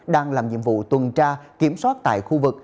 đang làm nhiệm vụ tuần tra kiểm soát tại khu vực